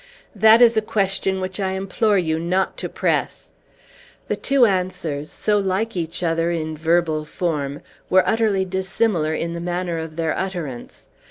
"That is a question which I implore you not to press!" The two answers, so like each other in verbal form, were utterly dissimilar in the manner of their utterance.